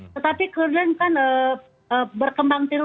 tetapi keduanya kan berkembang terus